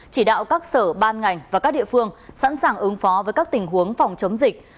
chỉ đạo các sở ban ngành và các địa phương sẵn sàng ứng phó với các tình huống phòng chống dịch